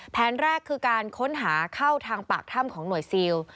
แผนแรกคือการค้นหาเข้าทางปากถ้ำของหน่วยซิล